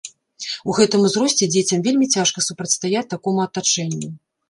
У гэтым узросце дзецям вельмі цяжка супрацьстаяць такому атачэнню.